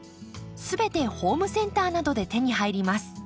全てホームセンターなどで手に入ります。